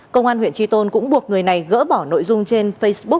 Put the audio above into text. công an huyện tri tôn cũng buộc người này gỡ bỏ nội dung trên facebook